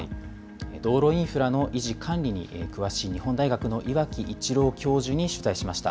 道路インフラの維持管理に詳しい、日本大学の岩城一郎教授に取材しました。